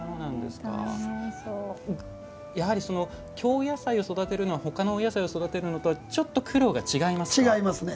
やはり京野菜を育てるのはほかのお野菜を育てるのとはちょっと苦労は違いますか。